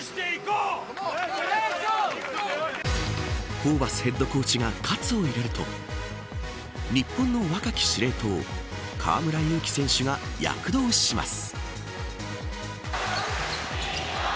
ホーバスヘッドコーチがかつを入れると日本の若き司令塔河村勇輝選手が躍動します。